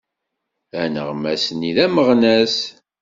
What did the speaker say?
Aneɣmas-nni d ameɣnas.